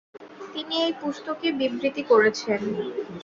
তিনি এই পুস্তকে বিবৃত করেছেন।